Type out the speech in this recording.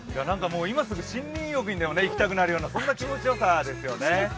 今すぐ森林浴に行きたくなる、そんな気持ちよさですよね。